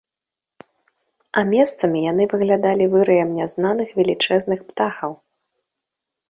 А месцамі яны выглядалі выраем нязнаных велічэзных птахаў.